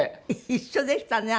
一緒でしたね